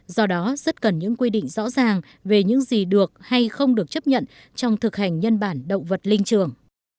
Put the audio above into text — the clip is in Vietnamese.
do đó rất cần những quy định rõ ràng về những gì được hay không được chấp nhận trong thực hành nhân bản động vật linh trường